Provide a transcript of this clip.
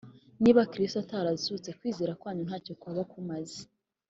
Niba Kristo atarazutse kwizera kwanyu nta cyo kwaba kumaze